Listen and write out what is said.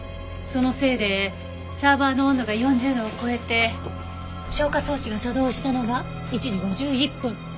そのせいでサーバーの温度が４０度を超えて消火装置が作動したのが１時５１分。